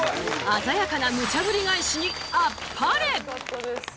鮮やかなムチャぶり返しにあっぱれ！